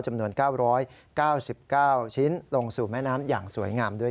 จำนวน๙๙๙ชิ้นลงสู่แม่น้ำอย่างสวยงามด้วย